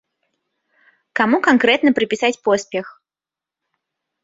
Каму канкрэтна прыпісаць поспех?